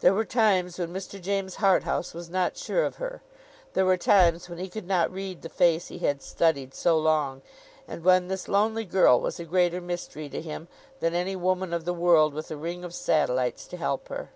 There were times when Mr. James Harthouse was not sure of her. There were times when he could not read the face he had studied so long; and when this lonely girl was a greater mystery to him, than any woman of the world with a ring of satellites to help her.